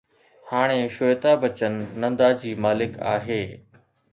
هاڻي شيوتا بچن نندا جي مالڪ آهي